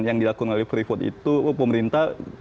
yang dilakukan oleh freeport itu pemerintah